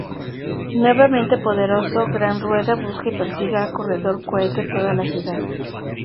Nuevamente poderoso, Gran Rueda busca y persigue a Corredor Cohete toda la ciudad.